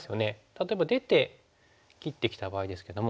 例えば出て切ってきた場合ですけども。